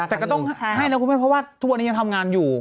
แต่ก็ต้องให้นะคุณแม่เพราะว่าทุกวันนี้ยังทำงานอยู่